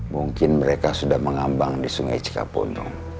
mungkin mereka sudah mengambang di sungai cikapundung